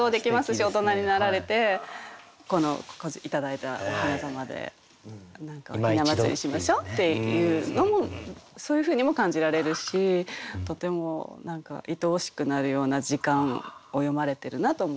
し大人になられてこの頂いたお雛様で雛祭しましょうっていうのもそういうふうにも感じられるしとてもいとおしくなるような時間を詠まれてるなと思って選びました。